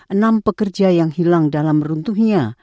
enam pekerja yang hilang dalam runtuhnya